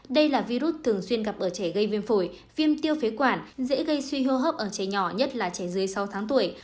đây là virus thường xuyên gặp ở trẻ gây viêm phổi viêm tiêu phế quản dễ gây suy hô hấp ở trẻ nhỏ nhất là trẻ dưới sáu tháng tuổi